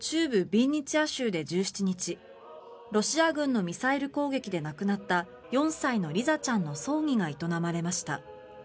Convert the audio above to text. ビンニツィア州で１７日ロシア軍のミサイル攻撃で亡くなった４歳のリザちゃんの葬儀が営まれました。